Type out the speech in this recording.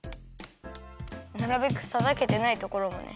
なるべくたたけてないところもね。